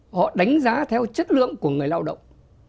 họ đánh giá theo chất lượng của người lao động